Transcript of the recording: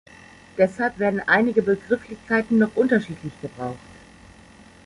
Deshalb werden einige Begrifflichkeiten noch unterschiedlich gebraucht.